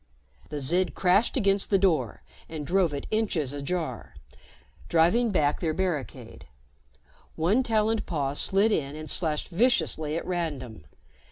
The Zid crashed against the door and drove it inches ajar, driving back their barricade. One taloned paw slid in and slashed viciously at random.